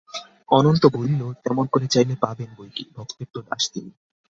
অনন্ত বলিল, তেমন করে চাইলে পাবেন বৈকি, ভক্তের তো দাস তিনি।